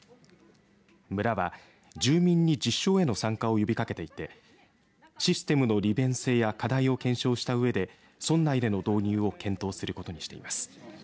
村は、住民に実証への参加を呼びかけていてシステムの利便性や課題を検証したうえで村内での導入を検討することにしています。